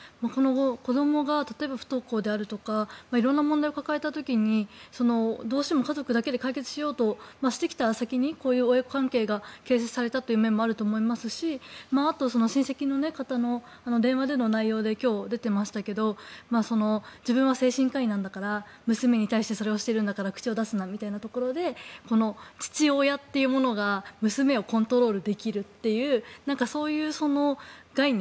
子どもが例えば、不登校であるとか色んな問題を抱えた時にどうしても家族だけで解決しようとしてきた先にこういう親子関係が形成されたという面もあると思いますしあと、親戚の方の電話での内容で今日、出ていましたけど自分は精神科医なんだから娘に対してそれをしているんだから口を出すなみたいなところで父親というものが娘をコントロールできるというそういう概念。